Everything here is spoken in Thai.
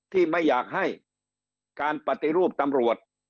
ที่ไม่อยากให้การปฏิรูปตำรวจ